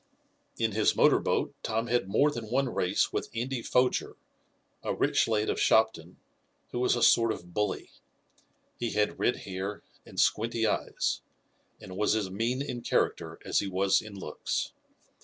In his motor boat Tom had more than one race with Andy Foger, a rich lad of Shopton, who was a sort of bully. He had red hair and squinty eyes, and was as mean in character as he was in looks.